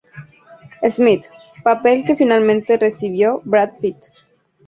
Smith", papel que finalmente recibió Brad Pitt.